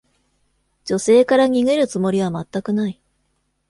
女性から逃げるつもりは全くない。